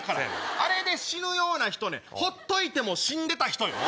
あれで死ぬような人ねほっといても死んでた人よ。